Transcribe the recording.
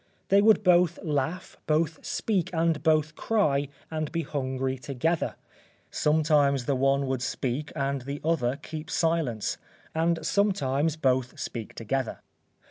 They would both laugh, both speak, and both cry, and be hungry together; sometimes the one would speak and the other keep silence, and sometimes both speak together.